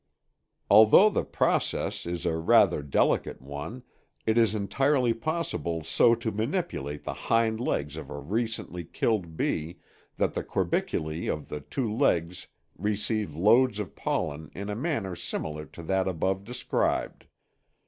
Although the process is a rather delicate one, it is entirely possible so to manipulate the hind legs of a recently killed bee that the corbiculæ of the two legs receive loads of pollen in a manner similar to that above described.